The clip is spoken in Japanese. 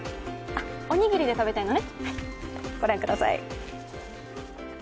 おにぎりで食べたいのね。